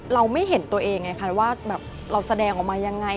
เราไม่เห็นตัวเองไงคะว่าแบบเราแสดงออกมายังไง